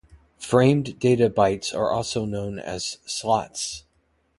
Framed data bytes are known as "slots".